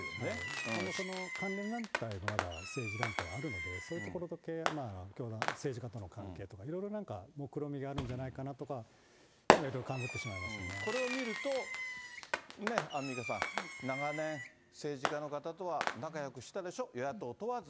関連団体が政治団体あるので、そういうところと教団、政治家との関係とかいろいろなんかもくろみがあるんじゃないかなとか、いろいろ勘ぐってこれを見ると、アンミカさん、長年、政治家の方とは仲よくしたでしょ、与野党問わず。